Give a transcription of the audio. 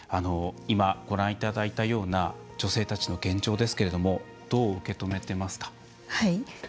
今、ご覧いただいたような女性たちの現状ですけれどもどう受け止めていますか。